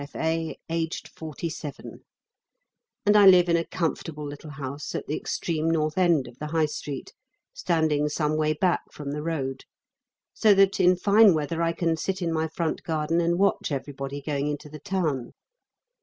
F.A., aged forty seven; and I live in a comfortable little house at the extreme north end of the High Street, standing some way back from the road; so that in fine weather I can sit in my front garden and watch everybody going into the town.